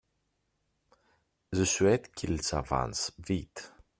Je souhaite qu’ils avancent vite.